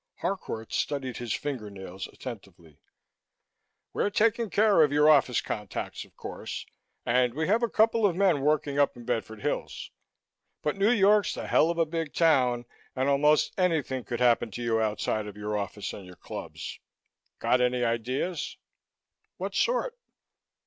Harcourt studied his finger nails attentively. "We're taking care of your office contacts, of course, and we have a couple of men working up in Bedford Hills. But New York's the hell of a big town and almost anything could happen to you outside of your office and your clubs. Got any ideas?" "What sort?"